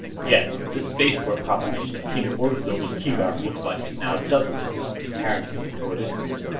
"Yes, this spaceport proposition of King Orgzild of Keegark looks like it, now doesn't it?" Harrington retorted.